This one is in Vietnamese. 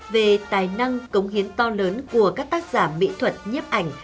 về tài năng cống hiến to lớn của các tác giả mỹ thuật nhếp ảnh